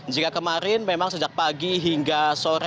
jika kemarin memang sejak pagi hingga sore